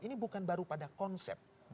ini bukan baru pada konsep